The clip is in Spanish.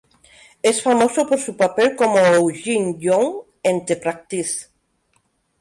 Es famoso por su papel como Eugene Young en "The Practice".